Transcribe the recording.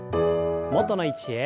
元の位置へ。